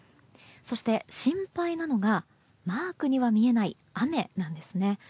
そして心配なのがマークには見えない雨なんですね。